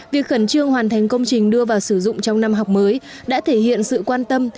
việc khẩn trương hoàn thành công trình đưa vào sử dụng trong năm học mới đã thể hiện sự quan tâm